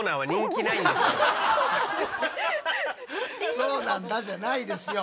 「そうなんだ」じゃないですよ。